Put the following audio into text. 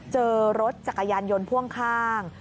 เจอรถจักรยานยนต์พ่วงข้าง